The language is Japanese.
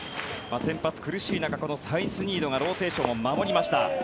先発、苦しい中サイスニードがローテーションを守りました。